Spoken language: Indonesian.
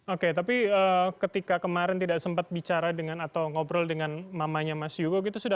oke tapi ketika kemarin tidak sempat bicara dengan atau ngobrol dengan mamanya mas yugo gitu